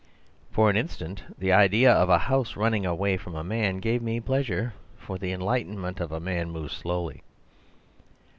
For an instant the idea of a house running away from a man gave me pleasure, for the enlightenment of man moves slowly.